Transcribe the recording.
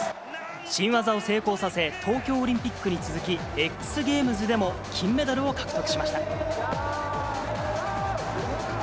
新技を成功させ、東京オリンピックに続き、Ｘゲームズでも金メダルを獲得しました。